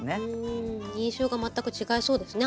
印象が全く違いそうですね